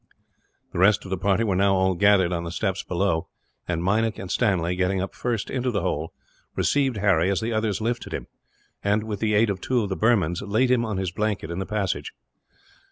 The rest of the party were now all gathered, on the steps below; and Meinik and Stanley, getting up first into the hole, received Harry as the others lifted him and, with the aid of two of the Burmans, laid him on his blanket in the passage.